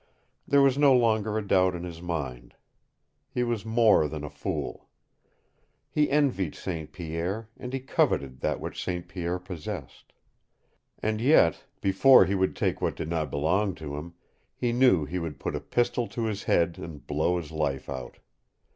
There was no longer a doubt in his mind. He was more than fool. He envied St. Pierre, and he coveted that which St. Pierre possessed. And yet, before he would take what did not belong to him, he knew he would put a pistol to his head and blow his life out.